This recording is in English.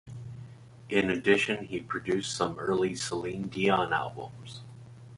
In addition, he produced some early Celine Dion albums.